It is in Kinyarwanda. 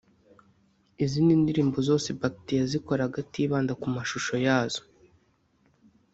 Izi ndirimbo zose Bac-T yazikoraga atibanda ku mashusho yazo